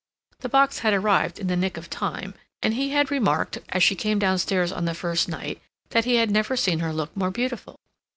The box had arrived in the nick of time, and he had remarked, as she came downstairs on the first night, that he had never seen her look more beautiful.